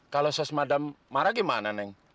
kalau saya sama mada marah gimana neng